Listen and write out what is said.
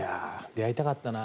出会いたかったな。